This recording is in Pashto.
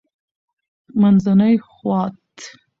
-منځنی خوات: